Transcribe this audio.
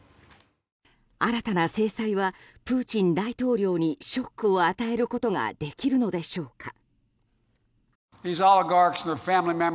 新たな制裁はプーチン大統領にショックを与えることができるのでしょうか。